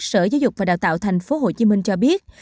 sở giáo dục và đào tạo thành phố hồ chí minh cho biết